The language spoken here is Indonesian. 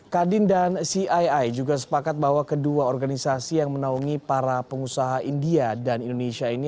kadin dan cii juga sepakat bahwa kedua organisasi yang menaungi para pengusaha india dan indonesia ini